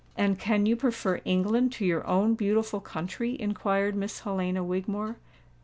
"And can you prefer England to your own beautiful country?" inquired Miss Helena Wigmore.